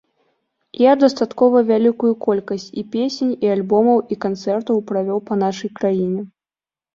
Я дастаткова вялікую колькасць і песень, і альбомаў, і канцэртаў правёў па нашай краіне.